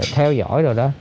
theo dõi rồi đó